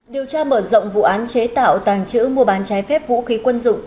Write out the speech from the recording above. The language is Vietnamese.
điều tra mở rộng vụ án chế tạo tàng trữ mua bán trái phép vũ khí quân dụng